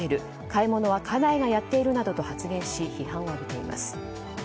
買い物は家内がやっているなどと発言し批判を浴びています。